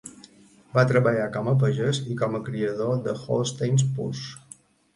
Va treballar com a pagès i com a criador de Holsteins purs.